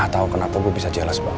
gue gak tau kenapa gue bisa jelas banget